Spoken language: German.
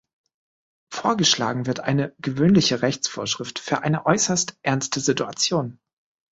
Vorgeschlagen wird eine gewöhnliche Rechtsvorschrift für eine äußerst ernste Situation.